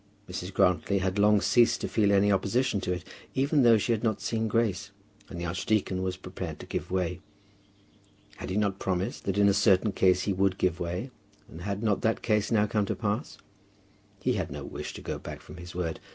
Mrs. Grantly had long ceased to feel any opposition to it, even though she had not seen Grace; and the archdeacon was prepared to give way. Had he not promised that in a certain case he would give way, and had not that case now come to pass? He had no wish to go back from his word.